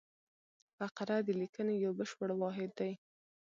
فقره د لیکني یو بشپړ واحد دئ.